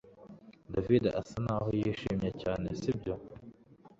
David asa naho yishimye cyane sibyo